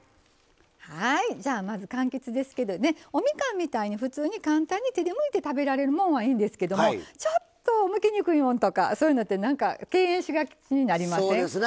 まず、かんきつですけどおみかんみたいに普通に簡単に手でむいて食べられるもんはいいんですけどもちょっとむきにくいもんとかちょっと敬遠しがちになりません？